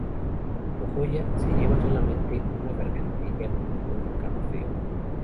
Como joya, se lleva solamente una gargantilla con un camafeo.